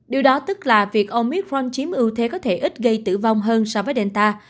điều đó tức là việc omicron chiếm ưu thế có thể ít gây tử vong hơn so với delta